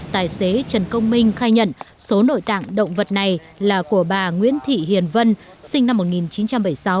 tài xế trần công minh khai nhận số nội tạng động vật này là của bà nguyễn thị hiền vân sinh năm một nghìn chín trăm bảy mươi sáu